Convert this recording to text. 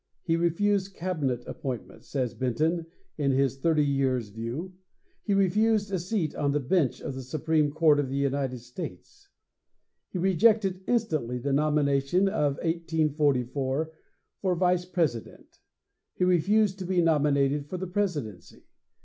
'He refused cabinet appointments,' says Benton, in his Thirty Years' View. 'He refused a seat on the bench of the Supreme Court of the United States; he rejected instantly the nomination of 1844 for Vice President; he refused to be nominated for the Presidency.